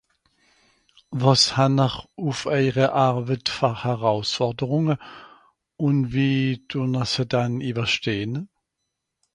Wàs han'r ùff èire Arwet fer herausforderùnge ? ùn wie dùn'r se dann ìwwerstehn.